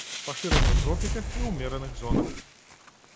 Пашыраны ў тропіках і ўмераных зонах.